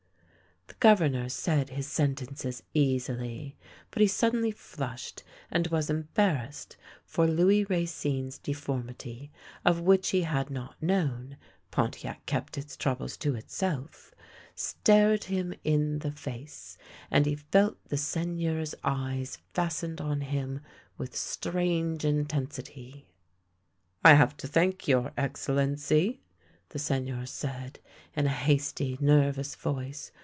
The Governor said his sentences easily, but he sud denly flushed and was embarrassed, for Louis Racine's deformity, of which he had not known — Pontiac kept its troubles to itself — stared him in the face, and he felt the Seigneur's eyes fastened on him with strange intensity. " I have to thank your Excellency," the Seigneur said in a hasty nervous voice.